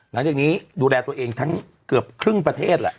หลังจากนี้ดูแลตัวเองทั้งเกือบครึ่งประเทศแหละ